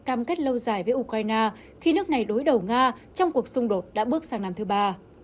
cam kết lâu dài với ukraine khi nước này đối đầu nga trong cuộc xung đột đã bước sang năm thứ ba